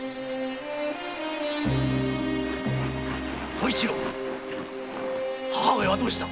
小一郎母上はどうした？